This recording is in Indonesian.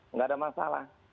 nggak ada masalah